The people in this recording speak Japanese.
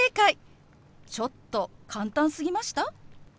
ちょっと簡単すぎました？